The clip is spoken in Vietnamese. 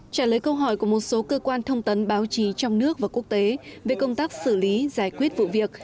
trả lời câu hỏi của một số cơ quan thông tấn báo chí trong nước và quốc tế về công tác xử lý giải quyết vụ việc